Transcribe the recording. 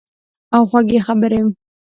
او خوږې خبرې